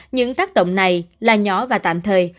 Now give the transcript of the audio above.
những tác động này là nhỏ và tạm thời